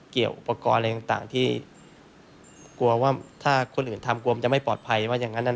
เกี่ยวอุปกรณ์อะไรต่างที่กลัวว่าถ้าคนอื่นทำกลัวมันจะไม่ปลอดภัยว่าอย่างนั้น